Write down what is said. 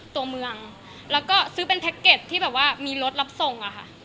ตัวเมืองแล้วก็ซื้อเป็นแพ็กเก็ตที่แบบว่ามีรถรับส่งอะค่ะ